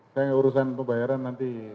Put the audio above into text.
saya urusan pembayaran nanti